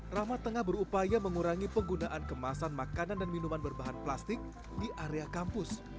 rahmat tengah berupaya mengurangi penggunaan kemasan makanan dan minuman berbahan plastik di area kampus